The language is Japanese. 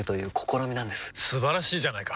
素晴らしいじゃないか！